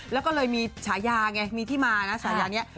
แล้วก็เลยมีฉายาไงมีที่มานะฉายานี้